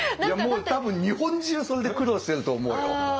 いやもう多分日本中それで苦労してると思うよ。